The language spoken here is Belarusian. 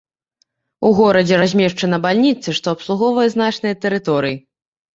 У горадзе размешчана бальніца, што абслугоўвае значныя тэрыторыі.